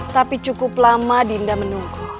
tapi cukup lama dinda menunggu